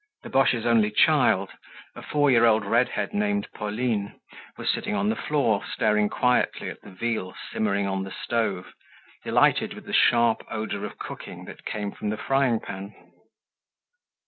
The Boches' only child, a four year old redhead named Pauline, was sitting on the floor, staring quietly at the veal simmering on the stove, delighted with the sharp odor of cooking that came from the frying pan.